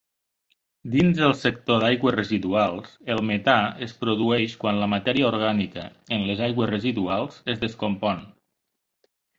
Dins del sector d'aigües residuals, el metà es produeix quan la matèria orgànica en les aigües residuals es descompon.